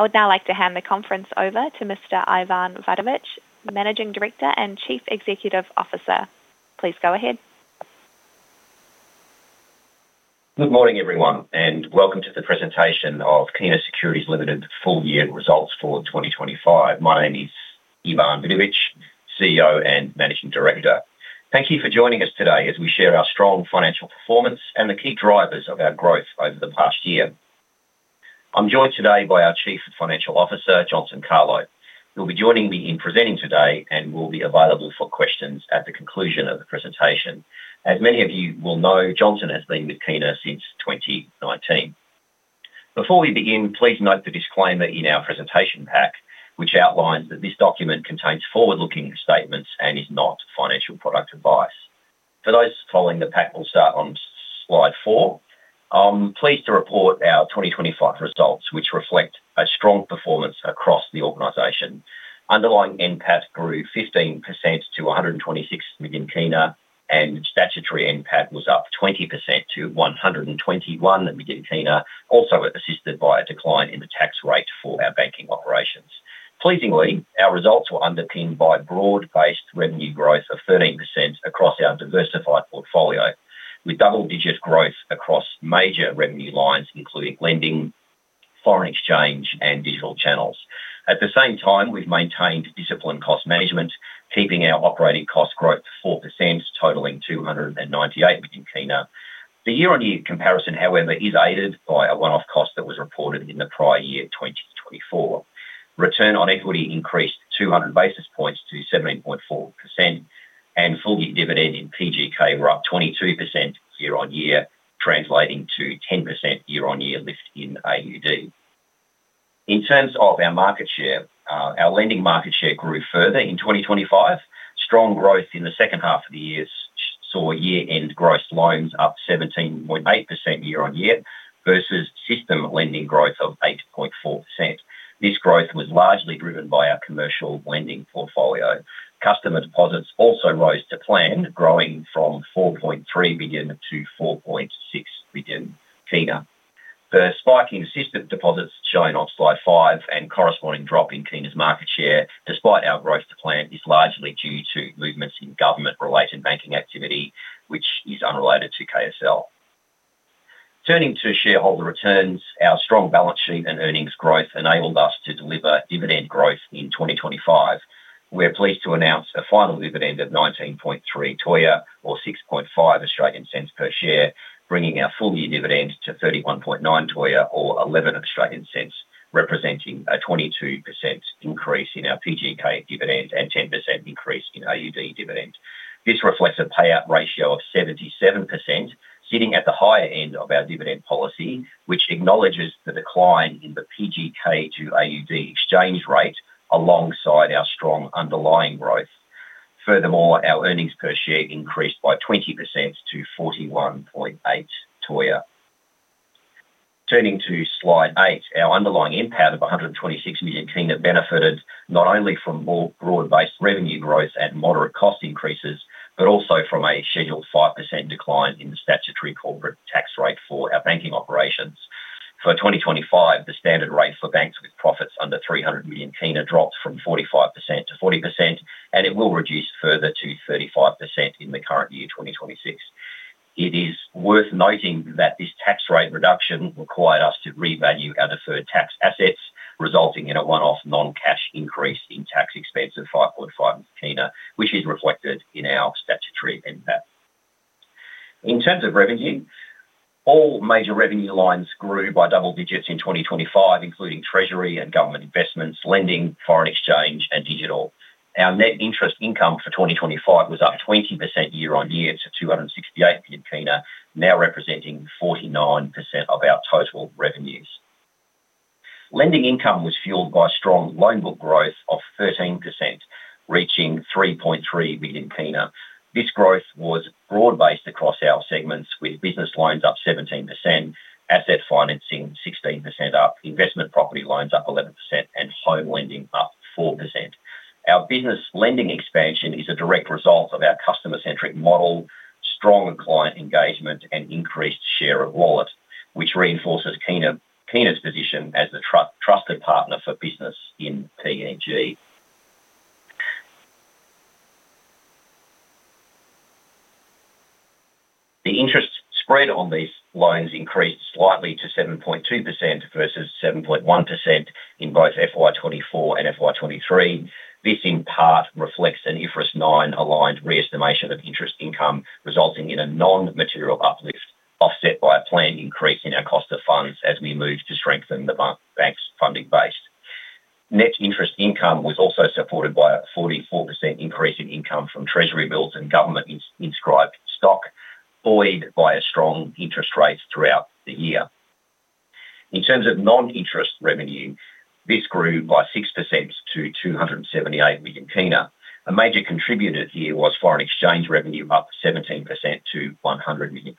I would now like to hand the conference over to Mr. Ivan Vidovich, the Managing Director and Chief Executive Officer. Please go ahead. Good morning, everyone. Welcome to the presentation of Kina Securities Limited full year results for 2025. My name is Ivan Vidovich, CEO and Managing Director. Thank you for joining us today as we share our strong financial performance and the key drivers of our growth over the past year. I'm joined today by our Chief Financial Officer, Johnson Kalo. He'll be joining me in presenting today and will be available for questions at the conclusion of the presentation. As many of you will know, Johnson has been with Kina since 2019. Before we begin, please note the disclaimer in our presentation pack, which outlines that this document contains forward-looking statements and is not financial product advice. For those following the pack, we'll start on slide 4. I'm pleased to report our 2025 results, which reflect a strong performance across the organization. Underlying NPAT grew 15% to PGK 126 million. Statutory NPAT was up 20% to PGK 121 million, also assisted by a decline in the tax rate for our banking operations. Pleasingly, our results were underpinned by broad-based revenue growth of 13% across our diversified portfolio, with double-digit growth across major revenue lines, including lending, foreign exchange, and digital channels. At the same time, we've maintained disciplined cost management, keeping our operating cost growth to 4%, totaling PGK 298 million. The year-on-year comparison, however, is aided by a one-off cost that was reported in the prior year, 2024. Return on equity increased 200 basis points to 17.4%. Full-year dividend in PGK were up 22% year-on-year, translating to 10% year-on-year lift in AUD. In terms of our market share, our lending market share grew further in 2025. Strong growth in the second half of the year saw year-end gross loans up 17.8% year on year, versus system lending growth of 8.4%. This growth was largely driven by our commercial lending portfolio. Customer deposits also rose to plan, growing from PGK 4.3 billion to PGK 4.6 billion. The spike in system deposits, shown on slide 5, and corresponding drop in Kina's market share, despite our growth to plan, is largely due to movements in government-related banking activity, which is unrelated to KSL. Turning to shareholder returns, our strong balance sheet and earnings growth enabled us to deliver dividend growth in 2025. We are pleased to announce a final dividend of 19.3 toea, or 0.065 per share, bringing our full-year dividend to 31.9 toea, or 0.11, representing a 22% increase in our PGK dividend and 10% increase in AUD dividends. This reflects a payout ratio of 77%, sitting at the higher end of our dividend policy, which acknowledges the decline in the PGK to AUD exchange rate alongside our strong underlying growth. Our earnings per share increased by 20% to 41.8 toea. Turning to slide 8, our underlying NPAT of PGK 126 million benefited not only from more broad-based revenue growth at moderate cost increases, but also from a scheduled 5% decline in the statutory corporate tax rate for our banking operations. For 2025, the standard rate for banks with profits under PGK 300 million dropped from 45% to 40%, and it will reduce further to 35% in the current year, 2026. It is worth noting that this tax rate reduction required us to revalue our deferred tax assets, resulting in a one-off non-cash increase in tax expense of PGK 5.5 million, which is reflected in our statutory NPAT. In terms of revenue, all major revenue lines grew by double digits in 2025, including treasury and government investments, lending, foreign exchange, and digital. Our net interest income for 2025 was up 20% year-on-year to PGK 268 million, now representing 49% of our total revenues. Lending income was fueled by strong loan book growth of 13%, reaching PGK 3.3 billion. This growth was broad-based across our segments, with business loans up 17%, asset financing 16% up, investment property loans up 11%, and home lending up 4%. Our business lending expansion is a direct result of our customer-centric model, strong client engagement, and increased share of wallet, which reinforces Kina's position as the trusted partner for business in PNG. The interest spread on these loans increased slightly to 7.2% versus 7.1% in both FY 2024 and FY 2023. This in part reflects an IFRS 9 aligned re-estimation of interest income, resulting in a non-material uplift, offset by a planned increase in our cost of funds as we move to strengthen the bank's funding base. Net interest income was also supported by a 44% increase in income from treasury bills and government Inscribed Stock, buoyed by a strong interest rate throughout the year. In terms of non-interest revenue, this grew by 6% to PGK 278 million. A major contributor here was foreign exchange revenue, up 17% to PGK 100 million.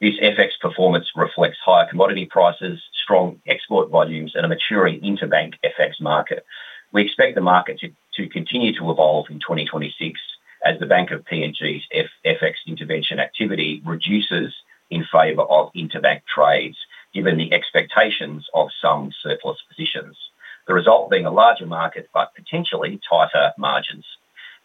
This FX performance reflects higher commodity prices, strong export volumes, and a maturing interbank FX market. We expect the market to continue to evolve in 2026 as the Bank of PNG's FX intervention activity reduces in favor of interbank trades, given the expectations of some surplus positions, the result being a larger market but potentially tighter margins.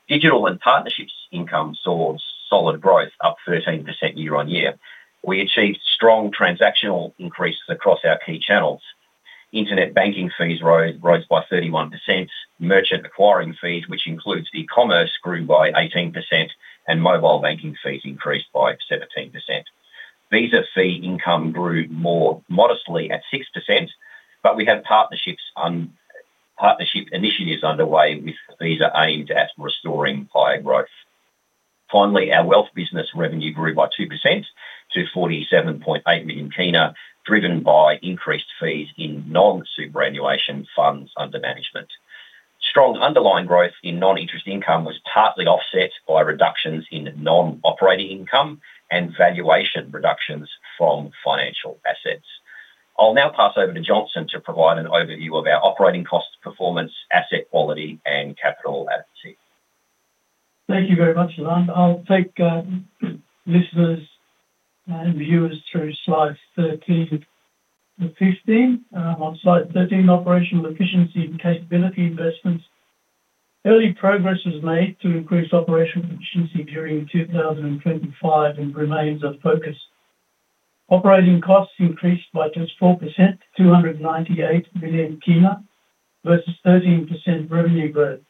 Digital and partnerships income saw solid growth, up 13% year-on-year. We achieved strong transactional increases across our key channels. Internet banking fees rose by 31%. Merchant acquiring fees, which includes e-commerce, grew by 18%. Mobile banking fees increased by 17%. Visa fee income grew more modestly at 6%, but we have partnership initiatives underway with Visa aimed at restoring higher growth. Finally, our wealth business revenue grew by 2% to PGK 47.8 million, driven by increased fees in non-superannuation funds under management. Strong underlying growth in non-interest income was partly offset by reductions in non-operating income and valuation reductions from financial assets. I'll now pass over to Johnson to provide an overview of our operating cost, performance, asset quality, and capital adequacy. Thank you very much, Ivan. I'll take listeners and viewers through slides 13 to 15. On slide 13, operational efficiency and capability investments. Early progress was made to increase operational efficiency during 2025 and remains a focus. Operating costs increased by just 4%, PGK 298 million, versus 13% revenue growth.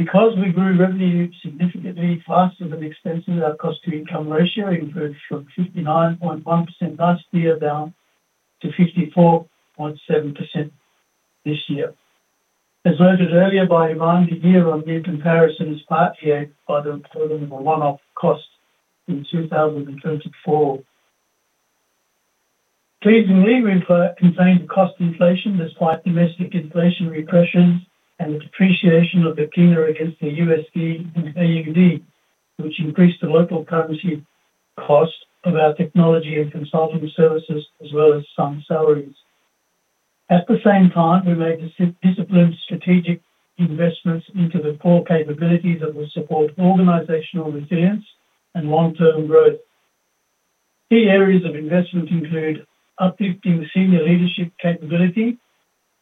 Because we grew revenue significantly faster than expenses, our cost-to-income ratio improved from 59.1% last year, down to 54.7% this year. As noted earlier by Ivan, the year-on-year comparison is partly aided by the delivery of a one-off cost in 2024. Pleasingly, we've contained cost inflation despite domestic inflation repressions and the depreciation of the kina against the USD and AUD, which increased the local currency cost of our technology and consulting services, as well as some salaries. At the same time, we made disciplined strategic investments into the core capabilities that will support organizational resilience and long-term growth. Key areas of investment include uplifting senior leadership capability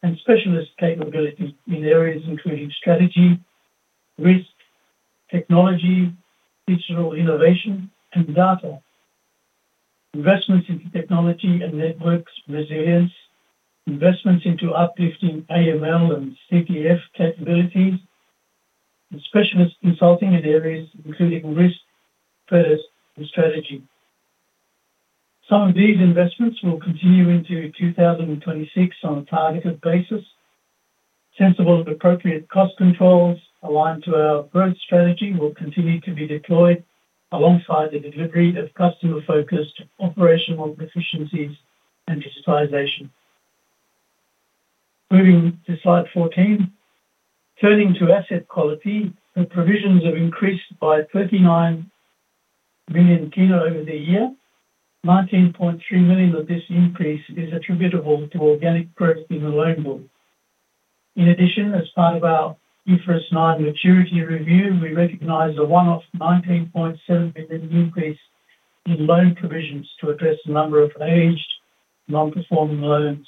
and specialist capabilities in areas including strategy, risk, technology, digital innovation, and data. Investments into technology and networks resilience, investments into uplifting AML and CTF capabilities, and specialist consulting in areas including risk, prudence, and strategy. Some of these investments will continue into 2026 on a targeted basis. Sensible and appropriate cost controls aligned to our growth strategy will continue to be deployed alongside the delivery of customer-focused operational efficiencies and digitalization. Moving to slide 14. Turning to asset quality, the provisions have increased by PGK 39 million over the year. PGK 19.3 million of this increase is attributable to organic growth in the loan book. As part of our IFRS 9 maturity review, we recognized a one-off PGK 19.7 million increase in loan provisions to address a number of aged non-performing loans.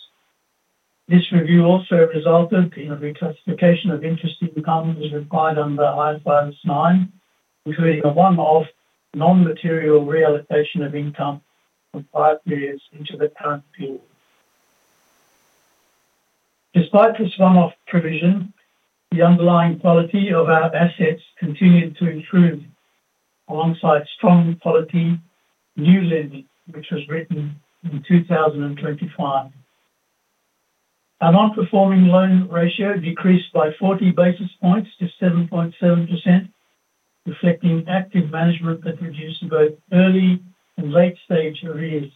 This review also resulted in a reclassification of interest in income, as required under IFRS 9, including a one-off non-material realization of income from prior periods into the current period. Despite this one-off provision, the underlying quality of our assets continued to improve alongside strong quality new lending, which was written in 2025. Our non-performing loan ratio decreased by 40 basis points to 7.7%, reflecting active management that reduced both early- and late-stage arrears.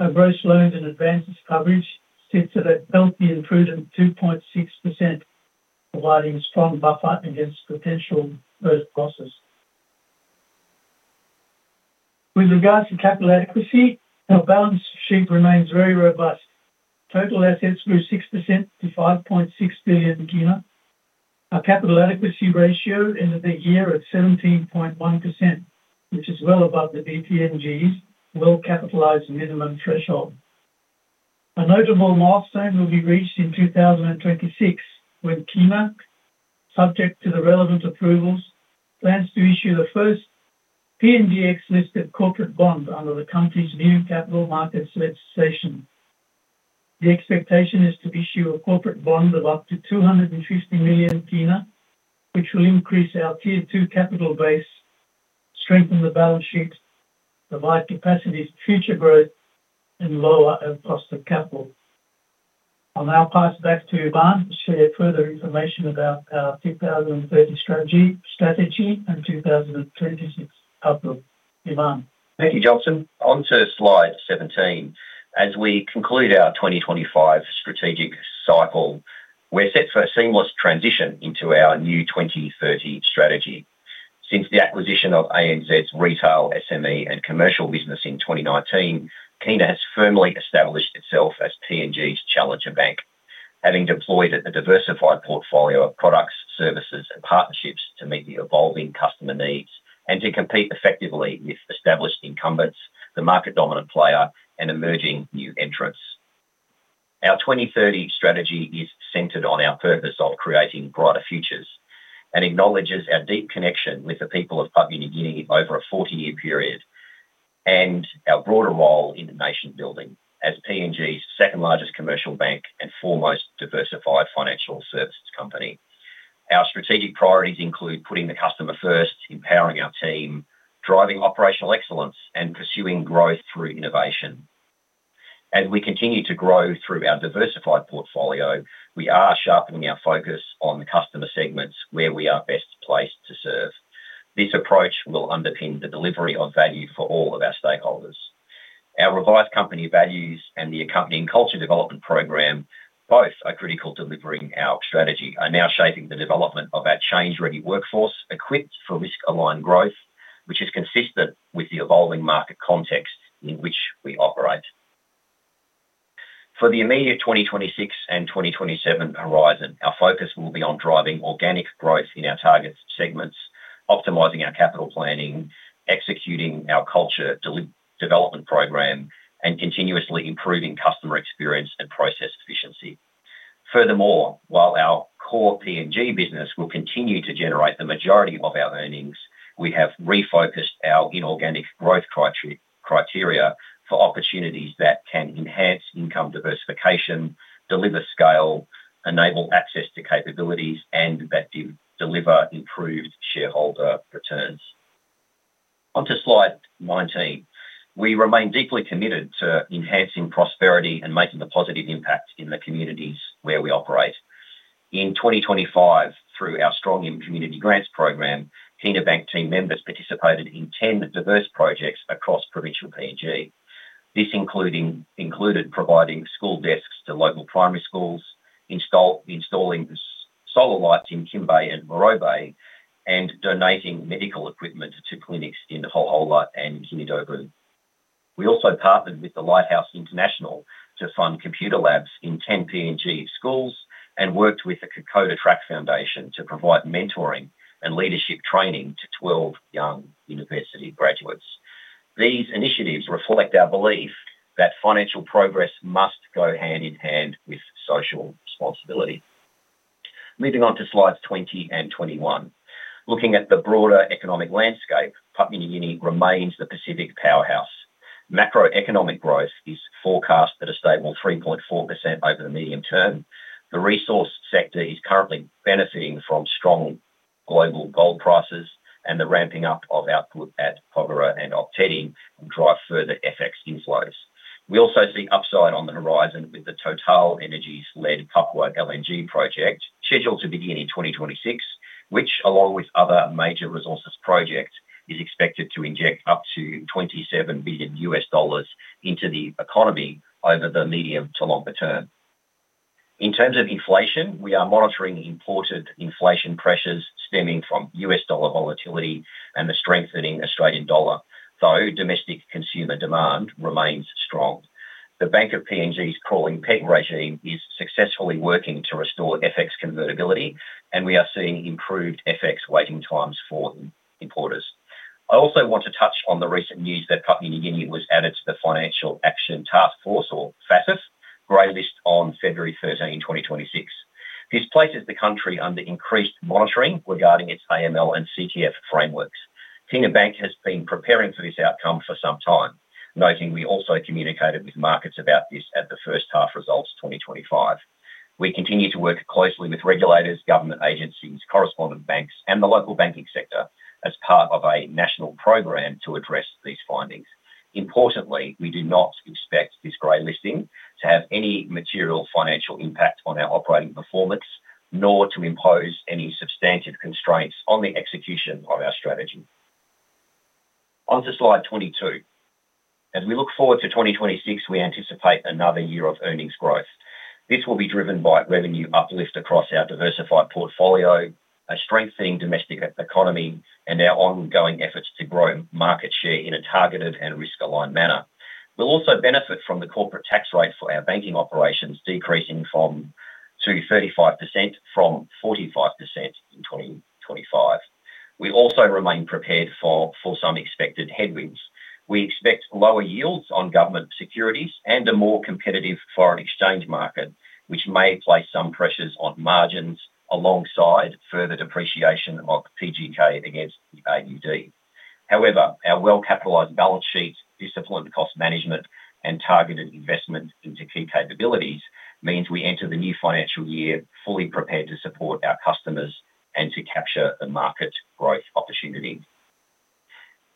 Our gross loans and advances coverage sits at a healthy improvement of 2.6%, providing a strong buffer against potential further losses. With regards to capital adequacy, our balance sheet remains very robust. Total assets grew 6% to PGK 5.6 billion. Our capital adequacy ratio ended the year at 17.1%, which is well above the BPNG's well-capitalized minimum threshold. A notable milestone will be reached in 2026, when Kina, subject to the relevant approvals, plans to issue the first PNGX-listed corporate bond under the country's new capital markets legislation. The expectation is to issue a corporate bond of up to PGK 250 million, which will increase our Tier 2 capital base, strengthen the balance sheet, provide capacity for future growth, and lower our cost of capital. I'll now pass it back to Ivan to share further information about our 2030 strategy and 2026 outlook. Ivan? Thank you, Johnson. On to slide 17. As we conclude our 2025 strategic cycle, we're set for a seamless transition into our new 2030 strategy. Since the acquisition of ANZ's retail, SME, and commercial business in 2019, Kina has firmly established itself as PNG's challenger bank, having deployed a diversified portfolio of products, services, and partnerships to meet the evolving customer needs and to compete effectively with established incumbents, the market dominant player, and emerging new entrants. Our 2030 strategy is centered on our purpose of creating brighter futures and acknowledges our deep connection with the people of Papua New Guinea over a 40-year period, and our broader role in nation building as PNG's second-largest commercial bank and foremost diversified financial services company. Our strategic priorities include putting the customer first, empowering our team, driving operational excellence, and pursuing growth through innovation. As we continue to grow through our diversified portfolio, we are sharpening our focus on the customer segments where we are best placed to serve. This approach will underpin the delivery of value for all of our stakeholders. Our revised company values and the accompanying culture development program, both are critical to delivering our strategy, are now shaping the development of our change-ready workforce, equipped for risk-aligned growth, which is consistent with the evolving market context in which we operate. For the immediate 2026 and 2027 horizon, our focus will be on driving organic growth in our target segments, optimizing our capital planning, executing our culture development program, and continuously improving customer experience and process efficiency. Furthermore, while our core PNG business will continue to generate the majority of our earnings, we have refocused our inorganic growth criteria for opportunities that can enhance income diversification, deliver scale, enable access to capabilities, and that deliver improved shareholder returns. On to slide 19. We remain deeply committed to enhancing prosperity and making a positive impact in the communities where we operate. In 2025, through our Strong in Community grants program, Kina Bank team members participated in 10 diverse projects across provincial PNG. This included providing school desks to local primary schools, installing solar lights in Kimbe and Morobe, and donating medical equipment to clinics in Hohola and Konedobu. We also partnered with the LiteHaus International to fund computer labs in 10 PNG schools and worked with the Kokoda Track Foundation to provide mentoring and leadership training to 12 young university graduates. These initiatives reflect our belief that financial progress must go hand in hand with social responsibility. Moving on to slides 20 and 21. Looking at the broader economic landscape, Papua New Guinea remains the Pacific powerhouse. Macroeconomic growth is forecast at a stable 3.4% over the medium term. The resource sector is currently benefiting from strong global gold prices, and the ramping up of output at Porgera and Ok Tedi will drive further FX inflows. We also see upside on the horizon with the TotalEnergies-led Papua LNG project, scheduled to begin in 2026, which, along with other major resources project, is expected to inject up to $27 billion into the economy over the medium to longer term. In terms of inflation, we are monitoring imported inflation pressures stemming from US dollar volatility and the strengthening Australian dollar, though domestic consumer demand remains strong. The Bank of PNG's crawling peg regime is successfully working to restore FX convertibility. We are seeing improved FX waiting times for importers. I also want to touch on the recent news that Papua New Guinea was added to the Financial Action Task Force, or FATF, grey list on February 13, 2026. This places the country under increased monitoring regarding its AML and CTF frameworks. Kina Bank has been preparing for this outcome for some time, noting we also communicated with markets about this at the 1H 2025 results. We continue to work closely with regulators, government agencies, correspondent banks, and the local banking sector as part of a national program to address these findings. Importantly, we do not expect this grey listing to have any material financial impact on our operating performance, nor to impose any substantive constraints on the execution of our strategy. On to slide 22. As we look forward to 2026, we anticipate another year of earnings growth. This will be driven by revenue uplift across our diversified portfolio, a strengthening domestic e- economy, and our ongoing efforts to grow market share in a targeted and risk-aligned manner. We'll also benefit from the corporate tax rate for our banking operations, decreasing to 35% from 45% in 2025. We also remain prepared for some expected headwinds. We expect lower yields on government securities and a more competitive foreign exchange market, which may place some pressures on margins alongside further depreciation of PGK against the AUD. However, our well-capitalized balance sheet, disciplined cost management, and targeted investment into key capabilities means we enter the new financial year fully prepared to support our customers and to capture the market growth opportunity.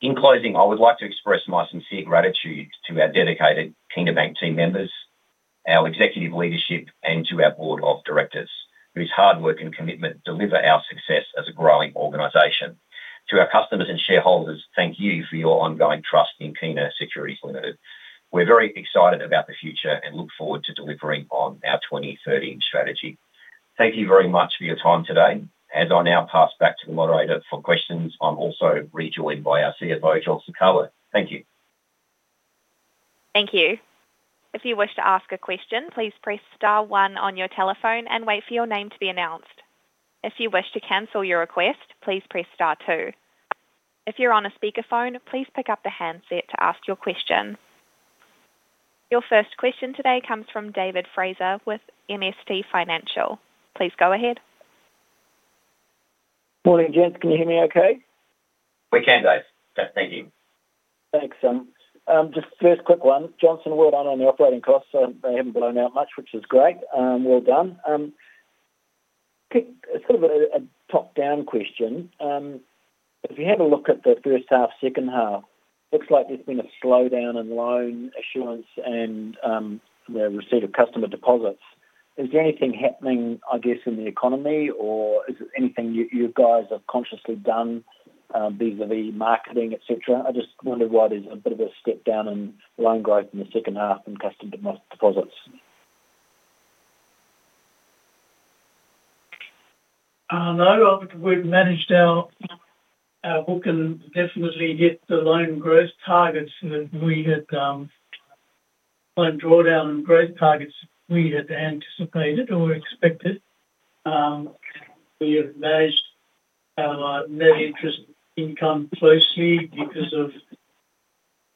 In closing, I would like to express my sincere gratitude to our dedicated Kina Bank team members, our executive leadership, and to our board of directors, whose hard work and commitment deliver our success as a growing organization. To our customers and shareholders, thank you for your ongoing trust in Kina Securities Limited. We're very excited about the future and look forward to delivering on our 2030 strategy. Thank you very much for your time today. As I now pass back to the moderator for questions, I'm also rejoined by our CFO, Johnson Kalo. Thank you. Thank you. If you wish to ask a question, please press star one on your telephone and wait for your name to be announced. If you wish to cancel your request, please press star two. If you're on a speakerphone, please pick up the handset to ask your question. Your first question today comes from David Fraser with MST Financial. Please go ahead. Morning, gents. Can you hear me okay? We can, Dave. Yeah, thank you. Thanks, just first quick one. Johnson, well done on the operating costs. They haven't blown out much, which is great. Well done. Quick, sort of a top-down question. If you have a look at the first half, second half, looks like there's been a slowdown in loan issuance and the receipt of customer deposits. Is there anything happening, I guess, in the economy, or is it anything you guys have consciously done, vis-a-vis marketing, et cetera? I just wondered why there's a bit of a step down in loan growth in the second half and customer deposits. No, we've managed our book and definitely hit the loan growth targets that we had, loan drawdown and growth targets we had anticipated or expected. We have managed our net interest income closely because of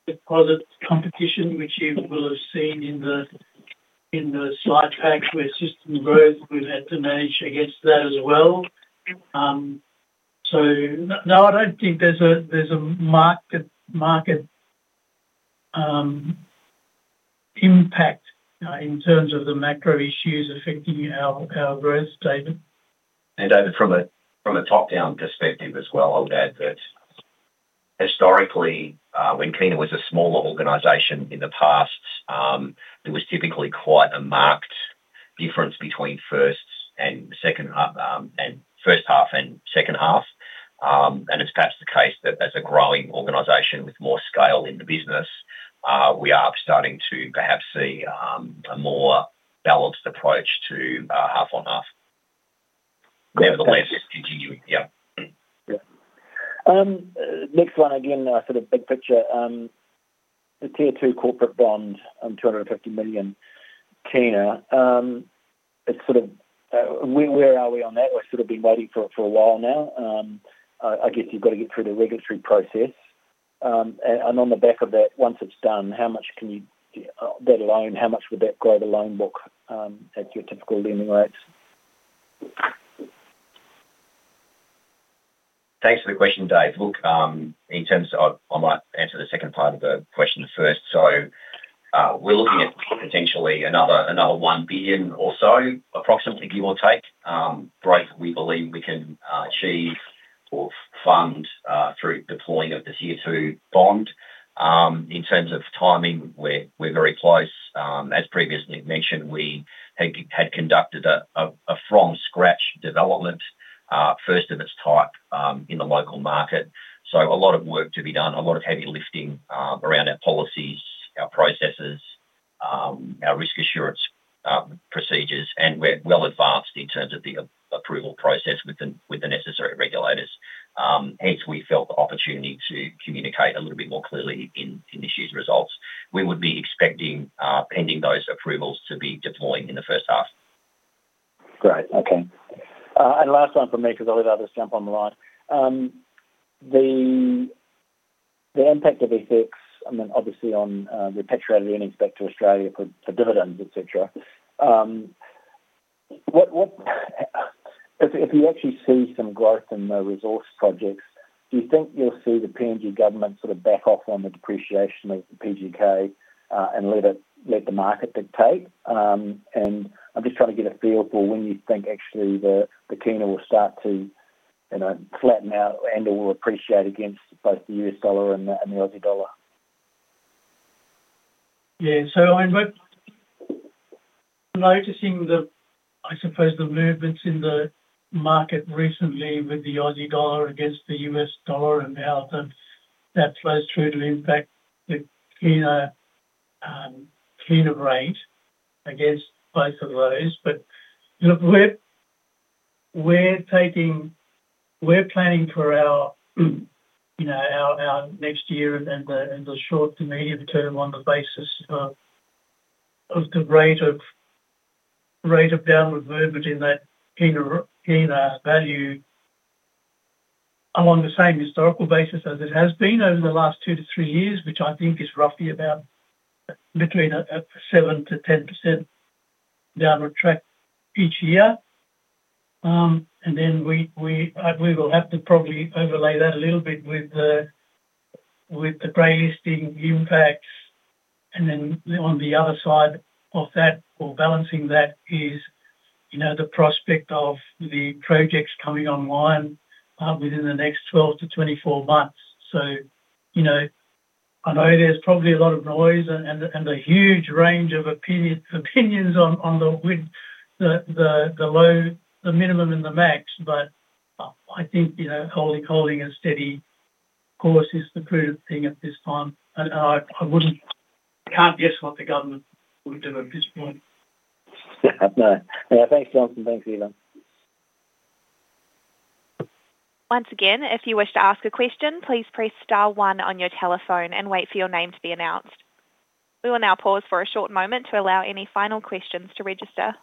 deposit competition, which you will have seen in the slide pack, where system growth, we've had to manage against that as well. No, I don't think there's a market impact in terms of the macro issues affecting our growth, David. David, from a top-down perspective as well, I would add that historically, when Kina was a smaller organization in the past, there was typically quite a marked difference between first and second half and first half and second half. It's perhaps the case that as a growing organization with more scale in the business, we are starting to perhaps see a more balanced approach to half-on-half. Nevertheless, continuing. Yeah. Next one, again, sort of big picture. The Tier 2 corporate bond, PGK 250 million. It's sort of, where are we on that? We've sort of been waiting for a while now. I guess you've got to get through the regulatory process. On the back of that, once it's done, how much can you, that loan, how much would that grow the loan book, at your typical lending rates? Thanks for the question, David Fraser. In terms of... I might answer the second part of the question first. We're looking at potentially another PGK 1 billion or so, approximately, give or take, break we believe we can achieve or fund through deploying of the Tier 2 bond. In terms of timing, we're very close. As previously mentioned, we had conducted a from-scratch development, first of its type, in the local market. A lot of work to be done, a lot of heavy lifting, around our policies, our processes, our risk assurance, procedures, and we're well advanced in terms of the approval process with the necessary regulators. We felt the opportunity to communicate a little bit more clearly in this year's results. We would be expecting, pending those approvals to be deployed in the first half. Great. Okay. Last one from me, because I'll let others jump on the line. The impact of FX, I mean, obviously on repatriated earnings back to Australia for dividends, et cetera. What if you actually see some growth in the resource projects, do you think you'll see the PNG government sort of back off on the depreciation of the PGK and let the market dictate? I'm just trying to get a feel for when you think actually the Kina will start to, you know, flatten out and/or appreciate against both the US dollar and the Aussie dollar. We're noticing, I suppose, the movements in the market recently with the Aussie Dollar against the US Dollar, and how that flows through to the impact, the Kina rate, against both of those. We're taking, we're planning for our, you know, our next year and the short to medium term on the basis of the rate of downward movement in that Kina value. Along the same historical basis as it has been over the last 2-3 years, which I think is roughly about between a 7%-10% downward track each year. We will have to probably overlay that a little bit with the grey listing impacts. On the other side of that or balancing that is, you know, the prospect of the projects coming online, within the next 12 to 24 months. You know, I know there's probably a lot of noise and a huge range of opinions on the low, the minimum, and the max, but, I think, you know, holding a steady course is the prudent thing at this time. I wouldn't. I can't guess what the government would do at this point. No. Yeah. Thanks, Johnson. Thanks, Ivan. Once again, if you wish to ask a question, please press star one on your telephone and wait for your name to be announced. We will now pause for a short moment to allow any final questions to register.